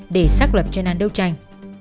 để xác lập chuyên án đấu tranh